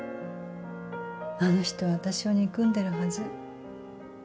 あの人は私を憎んでるはず。